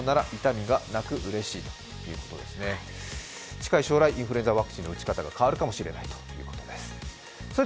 近い将来、インフルエンザワクチンの打ち方が変わるかもしれないということです。